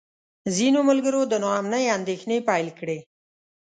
ځینو ملګرو د نا امنۍ اندېښنې پیل کړې.